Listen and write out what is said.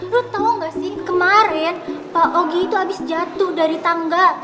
lo tau gak sih kemarin pak ogi itu abis jatuh dari tangga